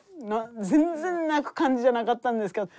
全然泣く感じじゃなかったんですけど。